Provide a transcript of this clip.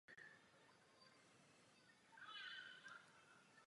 Posléze působil v rozhlasové stanici Vltava.